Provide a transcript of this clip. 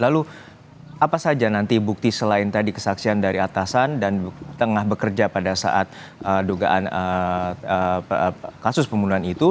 lalu apa saja nanti bukti selain tadi kesaksian dari atasan dan tengah bekerja pada saat dugaan kasus pembunuhan itu